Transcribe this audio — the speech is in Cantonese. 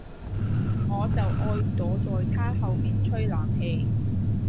我就愛躲在他後面吹冷氣